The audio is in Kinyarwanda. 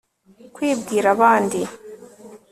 Kwibwira abandi